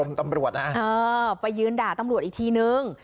แล้วก็ยืนด่าตำรวจอีกทีนึง